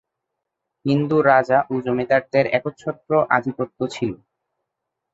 হিন্দু রাজা ও জমিদারদের একচ্ছত্র আধিপত্য ছিল।